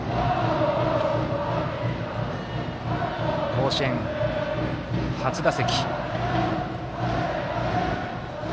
甲子園初打席。